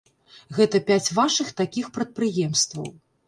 Гэта пяць вашых такіх прадпрыемстваў.